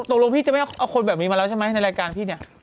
ตกลงพี่จะไม่เอาคนแบบนี้มาแล้วใช่ไหมในรายการพี่เนี่ย